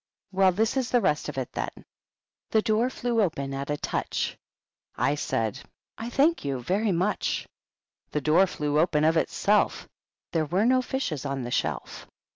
" Well, this is the rest of it, then : The door flew open at a touchy I saidy ^ I thank you very much.^ The door fleiv open of itself ^ There were no fishes on the shelf.